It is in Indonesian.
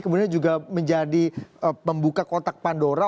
kemudian juga menjadi pembuka kotak pandora